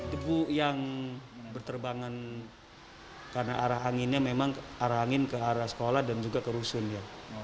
debu yang berterbangan karena arah anginnya memang arah angin ke arah sekolah dan juga ke rusun ya